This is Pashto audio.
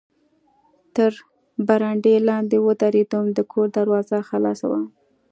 تر برنډې لاندې و درېدم، د کور دروازه خلاصه وه.